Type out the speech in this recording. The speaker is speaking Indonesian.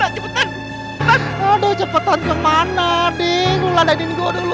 cepetan cepetan aduh cepetan kemana dik lo landainin gue dulu